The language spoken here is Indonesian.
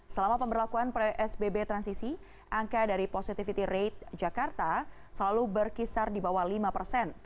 selama pemberlakuan psbb transisi angka dari positivity rate jakarta selalu berkisar di bawah lima persen